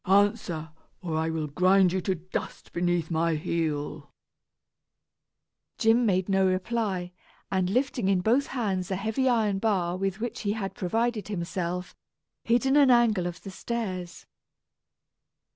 Answer, or I will grind you to dust beneath my heel!" Jim made no reply, and lifting in both hands a heavy iron bar with which he had provided himself, hid in an angle of the stairs.